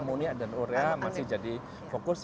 amonia dan urea masih jadi fokus